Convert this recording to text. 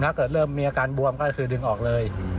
ถ้าเกิดเริ่มมีอาการบวมก็คือดึงออกเลย